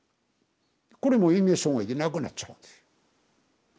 これも嚥下障害で亡くなっちゃうんです。